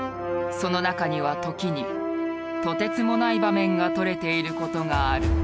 その中には時にとてつもない場面が撮れていることがある。